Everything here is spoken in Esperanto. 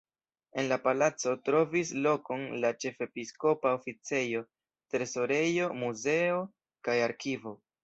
En la palaco trovis lokon la ĉefepiskopa oficejo, trezorejo, muzeo kaj arkivo.